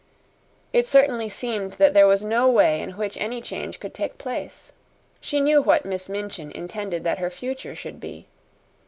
It certainly seemed that there was no way in which any change could take place. She knew what Miss Minchin intended that her future should be.